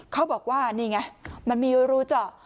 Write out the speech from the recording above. เขาบอกว่านี่ไงมันมีรูเจาะ